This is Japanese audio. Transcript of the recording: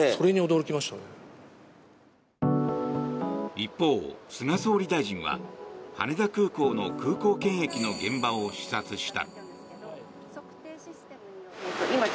一方、菅総理大臣は羽田空港の空港検疫の現場を視察した。